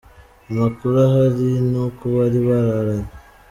Amakuru ahari ni uko bari bararanye.